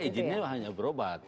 karena izinnya hanya berobat